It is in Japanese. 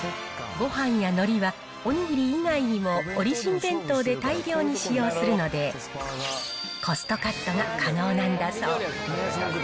ごはんやのりは、お握り以外にもオリジン弁当で大量に使用するので、コストカットが可能なんだそう。